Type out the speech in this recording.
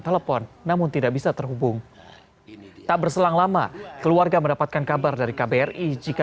telepon namun tidak bisa terhubung tak berselang lama keluarga mendapatkan kabar dari kbri jika